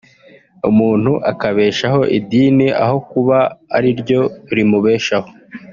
umuntu akabeshaho idini aho kuba ari ryo rimubeshaho